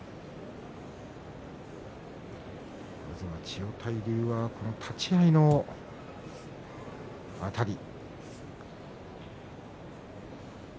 千代大龍は立ち合いのあたり。